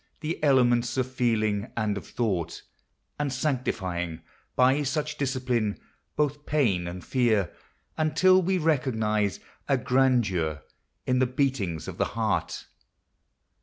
21 The elements of feeling and of thought, And sanctifying by such discipline Both pain and fear, — until we recognize A grandeur in the beatings of the heart.